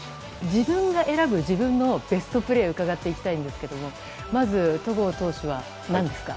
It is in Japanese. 自分が選ぶ自分のベストプレーを伺っていきたいんですがまず戸郷投手は何ですか？